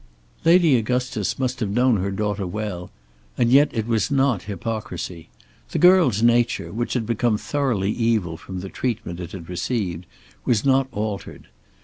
Lady Augustus must have known her daughter well; and yet it was not hypocrisy. The girl's nature, which had become thoroughly evil from the treatment it had received, was not altered.